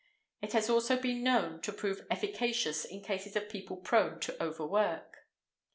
It has also been known to prove efficacious in cases of people prone to overwork.